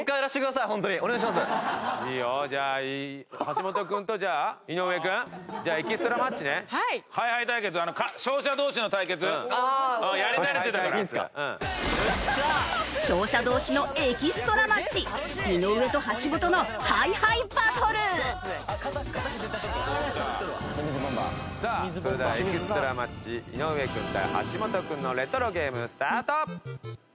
さあそれではエキストラマッチ井上君対橋本君のレトロゲームスタート！